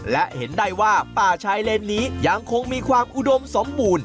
และเห็นได้ว่าป่าชายเลนนี้ยังคงมีความอุดมสมบูรณ์